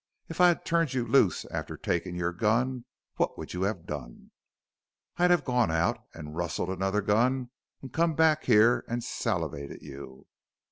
If I had turned you loose after taking your gun what would you have done?" "I'd have gone out an' rustled another gun an' come back here an' salivated you."